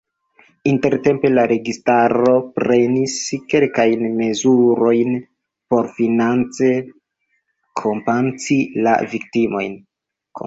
Intertempe la registaro prenis kelkajn mezurojn por finance kompensi la viktimojn.